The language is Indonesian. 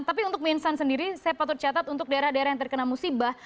tapi untuk minsan sendiri saya patut catat untuk daerah daerah yang terkena musibah